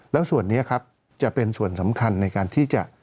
แล้วส่วนนี้ครับจะเป็นส่วนสำคัญในการที่จะ